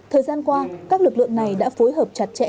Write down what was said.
thời gian qua các lực lượng này đã phối hợp chặt chẽ